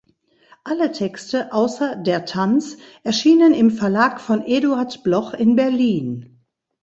Alle Texte (außer "Der Tanz") erschienen im Verlag von Eduard Bloch in Berlin.